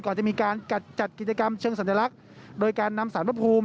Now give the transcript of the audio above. ก่อนจะมีการกัดจัดกิจกรรมเชิงสัญลักษณ์โดยการนำสารพรุม